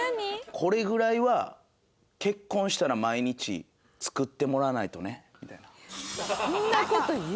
「これぐらいは結婚したら毎日作ってもらわないとね」みたいな。